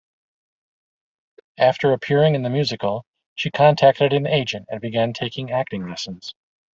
After appearing in the musical, she contacted an agent and began taking acting lessons.